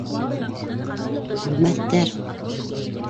Үлмәҫтәр!